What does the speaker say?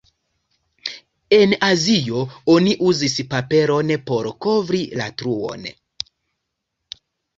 En Azio oni uzis paperon por kovri la truon.